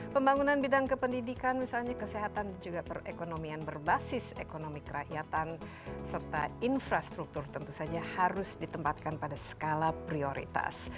pembangunan bidang kependidikan misalnya kesehatan juga perekonomian berbasis ekonomi kerakyatan serta infrastruktur tentu saja harus ditempatkan pada skala prioritas